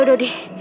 ya udah odi